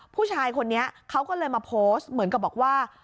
ผู้ชายคนนี้เขาก็เลยมาโพสต์เหมือนกับบอกว่า